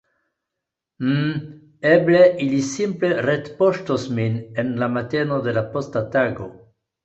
Mmm, eble ili simple retpoŝtos min en la mateno de la posta tago.